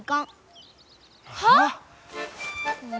はあ！？